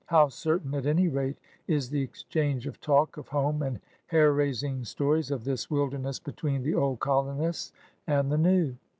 How certain, at any rate, is the exchange of talk of home and hair raising stories of this wilderness between the old colonists and the new!